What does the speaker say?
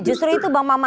justru itu bang maman